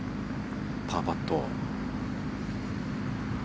パーパット。